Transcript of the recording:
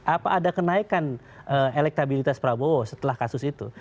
apa ada kenaikan elektabilitas prabowo setelah kasus itu